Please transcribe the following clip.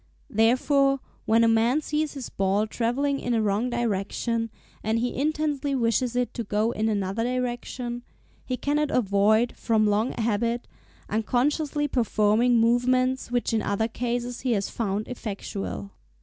Therefore, when a man sees his ball travelling in a wrong direction, and he intensely wishes it to go in another direction, he cannot avoid, from long habit, unconsciously performing movements which in other cases he has found effectual.